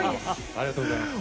ありがとうございます。